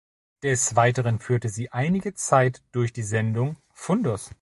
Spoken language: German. Des Weiteren führte sie einige Zeit durch die Sendung "Fundus".